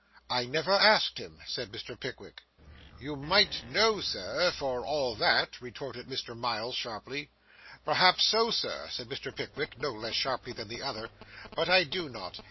'I never asked him,' said Mr. Pickwick. 'You might know, sir, for all that,' retorted Mr. Miles, sharply. 'Perhaps so, sir,' said Mr. Pickwick, no less sharply than the other, 'but I do not.